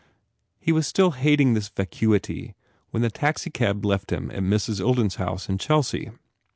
He was still hating this vacuity when the taxi cab left him at Mrs. Ilden s house in Chelsea.